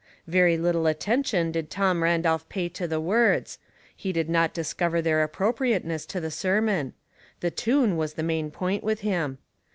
Very little atten tion did Tom Randolph pay to the words; he did not discover their appropriateness to the ser mon; the tune was the main point with him.